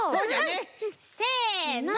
せの！